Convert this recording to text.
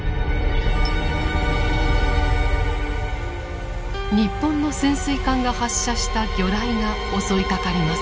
日本の潜水艦が発射した魚雷が襲いかかります。